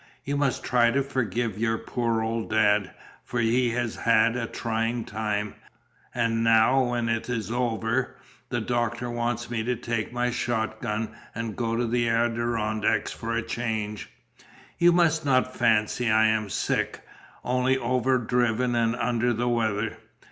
You must try to forgive your poor old dad, for he has had a trying time; and now when it is over, the doctor wants me to take my shotgun and go to the Adirondacks for a change. You must not fancy I am sick, only over driven and under the weather.